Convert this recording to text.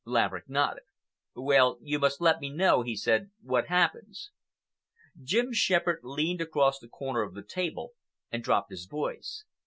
Laverick nodded. "Well, you must let me know," he said, "what happens." Jim Shepherd leaned across the corner of the table and dropped his voice.